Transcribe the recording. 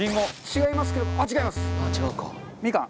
違います。